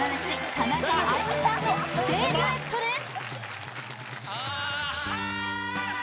田中あいみさんの師弟デュエットです